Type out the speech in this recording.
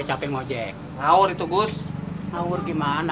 hari ini kita bisa berlokal